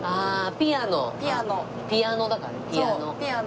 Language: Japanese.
ピアノだからねピアノ。